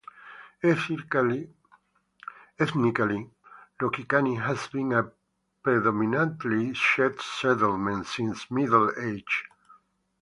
Ethnically, Rokycany has been a predominately Czech settlement since Middle Ages.